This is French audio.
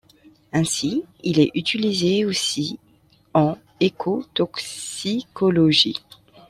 Ainsi il est utilisé aussi en écotoxicologie.